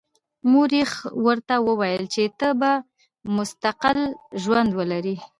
مور یې ورته وویل چې ته به مستقل ژوند ولرې